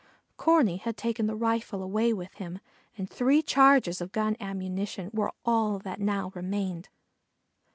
Corney had taken the rifle away with him and three charges of gun ammunition were all that now remained.